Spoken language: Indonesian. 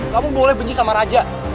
kamu boleh benci sama raja